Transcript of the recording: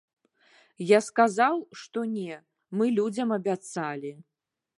Я сказаў, што не, мы людзям абяцалі.